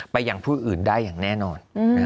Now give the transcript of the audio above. อย่างผู้อื่นได้อย่างแน่นอน